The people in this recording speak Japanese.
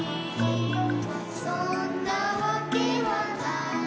「そんなわけはないけれど」